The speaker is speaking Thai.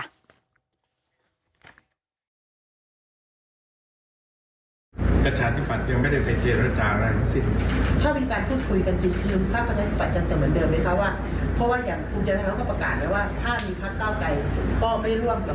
ภักร์ก้าวไกลก็ไม่ร่วมกับภักร์เทอดไทยก็ไม่เอา